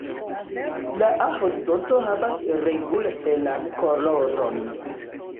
La A-horizonto havas regule helan koloron.